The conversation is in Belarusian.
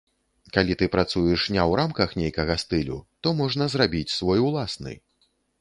Калі ты працуеш не ў рамках нейкага стылю, то можна зрабіць свой уласны.